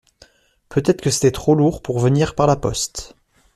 Peut-être que c’était trop lourd pour venir par la poste.